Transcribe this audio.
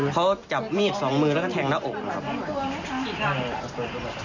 เขาจับมีดสองมือแล้วก็แทงหน้าอกนะครับ